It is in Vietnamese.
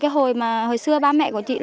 hồi xưa ba mẹ của chị